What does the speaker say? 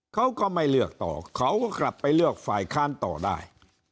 เขาก็ไม่เลือกต่อเขาก็กลับไปเลือกฝ่ายค้านต่อได้